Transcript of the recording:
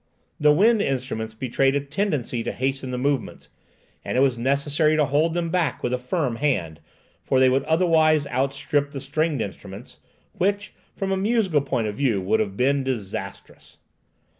The wind instruments betrayed a tendency to hasten the movements, and it was necessary to hold them back with a firm hand, for they would otherwise outstrip the stringed instruments; which, from a musical point of view, would have been disastrous.